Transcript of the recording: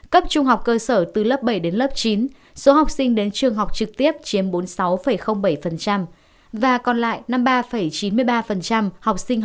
cấp trung học cơ sở từ lớp bảy đến lớp chín số học sinh đến trường học trực tiếp chiếm bốn mươi sáu bảy và còn lại năm mươi ba chín mươi ba học sinh hai